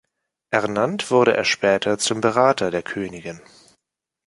Ernannt wurde er später zum Berater der Königin.